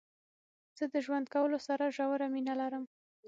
زه د ژوند کولو سره ژوره مينه لرم.